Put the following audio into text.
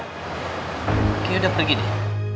kayaknya udah pergi deh